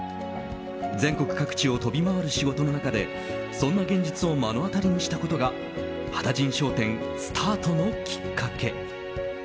全国各地を飛び回る仕事の中でそんな現実を目の当たりにしたことが羽田甚商店スタートのきっかけ。